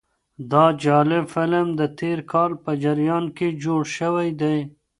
دا جالب فلم د تېر کال په جریان کې جوړ شوی دی.